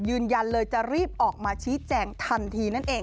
ยืนยันเลยจะรีบออกมาชี้แจงทันทีนั่นเอง